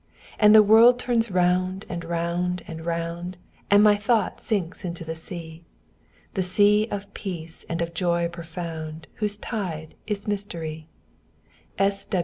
And the world turns round and round and round, And my thought sinks into the sea; The sea of peace and of joy profound Whose tide is mystery.